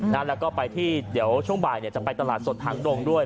แล้วก็ไปที่เดี๋ยวช่วงบ่ายเนี่ยจะไปตลาดสดทางดงด้วย